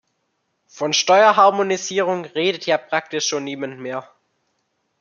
Von Steuerharmonisierung redet ja praktisch schon niemand mehr.